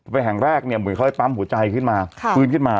ไปแห่งแรกเหมือนเขาให้ปั้มหัวใจขึ้นมาคืนขึ้นมา